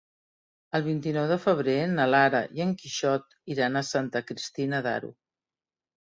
El vint-i-nou de febrer na Lara i en Quixot iran a Santa Cristina d'Aro.